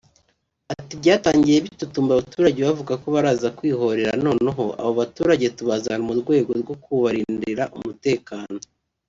Ati "Byatangiye bitutumba abaturage bavuga ko baraza kwihorera noneho abo baturage tubazana mu rwego rwo kubarindira umutekano